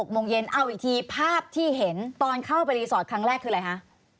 โมงเย็นเอาอีกทีภาพที่เห็นตอนเข้าไปรีสอร์ทครั้งแรกคืออะไรคะ